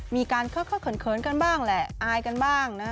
มีการเครียดเผินเคินกันบ้างแหละอายกันบ้างนะ